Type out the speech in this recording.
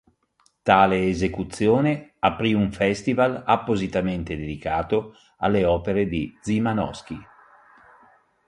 Tale esecuzione aprì un festival appositamente dedicato alle opere di Szymanowski.